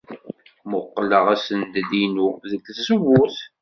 Mmuqqleɣ assended-inu deg tzewwut.